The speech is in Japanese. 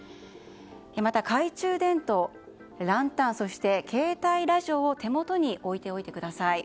また懐中電灯、ランタンそして携帯ラジオを手元に置いておいてください。